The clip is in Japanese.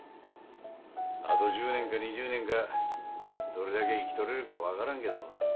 あと１０年か２０年かどれだけ生きとれるか分からんけど